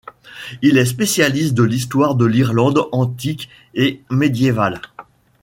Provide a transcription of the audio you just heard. Il est spécialiste de l'histoire de l'Irlande antique et médiévale.